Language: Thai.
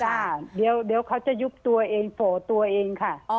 เดี๋ยวเขาจะยุบตัวเองโผล่ตัวเองค่ะ